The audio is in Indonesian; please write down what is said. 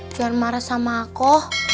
jangan marah sama aku